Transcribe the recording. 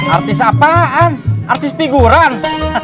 artis apaan artis figurant